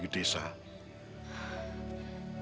saya akan kembali ke desa